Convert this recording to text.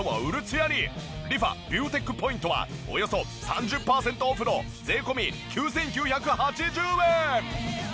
リファビューテックポイントはおよそ３０パーセントオフの税込９９８０円。